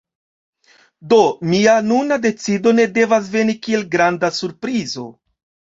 Do, mia nuna decido ne devas veni kiel granda surprizo.